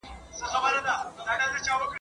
سم پر مځکه ولوېدی ژړ لکه نل سو ..